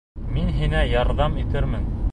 Мин һиңә ярҙам итермен.